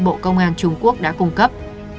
bộ công an trung quốc đã cung cấp